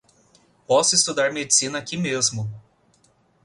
Posso estudar medicina aqui mesmo.